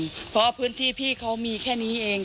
เพราะว่าพื้นที่พี่เขามีแค่นี้เอง